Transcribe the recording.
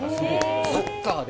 サッカーで。